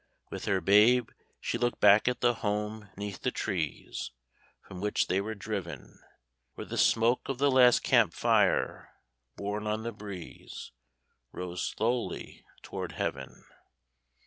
With her babe, she looked back at the home 'neath the trees From which they were driven, Where the smoke of the last camp fire, borne on the breeze, Rose slowly toward heaven.